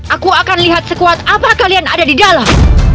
aku akan lihat sekuat apa kalian ada di dalam